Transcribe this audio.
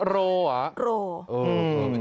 อ๋อโรเหรอโรอืม